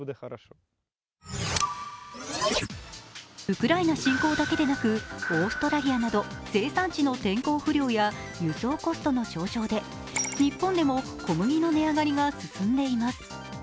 ウクライナ侵攻だけでなく、オーストラリアなど生産地の天候不良や輸送コストの上昇で、日本でも小麦の値上がりが進んでいます。